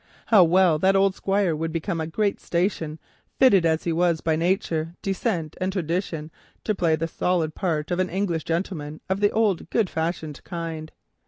How well that grand looking open minded Squire would become a great station, fitted as he was by nature, descent, and tradition, to play the solid part of an English country gentleman of the good old fashioned kind.